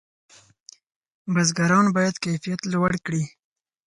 بزګران باید کیفیت لوړ کړي.